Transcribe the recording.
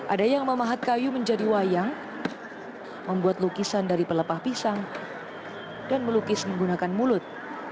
ada yang memahat kayu menjadi wayang membuat lukisan dari pelepah pisang dan melukis menggunakan mulut